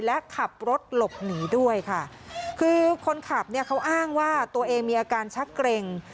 และขับรถหลบหนีด้วยค่ะคือคนขับเนี่ยเขาอ้างว่าตัวเองมีอาการชักเกร็ง